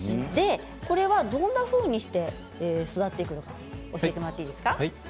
これはどんなふうにして育てていくのか教えてもらっていいですか。